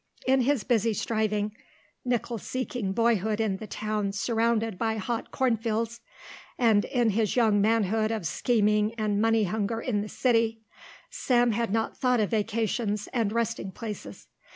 In his busy striving, nickel seeking boyhood in the town surrounded by hot cornfields, and in his young manhood of scheming and money hunger in the city, Sam had not thought of vacations and resting places.